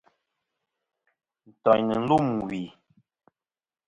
Ntòyn nɨ̀n lûm wì.